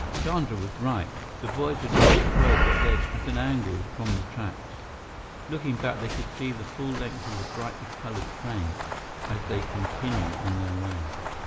Chandra was right. The boys had reached a road that led at an angle from the tracks. Looking back, they could see the full length of the brightly colored train, as they continued on their way.